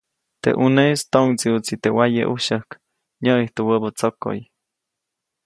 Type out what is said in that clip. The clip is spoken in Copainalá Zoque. Teʼ ʼuneʼis toʼŋdsiʼuʼtsi teʼ waye ʼujsyäjk, nyäʼijtu wäbä tsokoʼy.